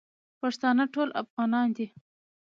پښتانه ټول افغانان دی